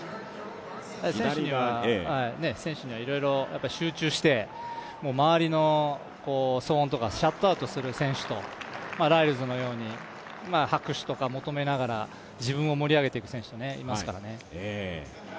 選手にはいろいろ集中して、周りの騒音とかシャットアウトする選手とライルズのように拍手とか求めながら自分を盛り上げていく選手といますからね。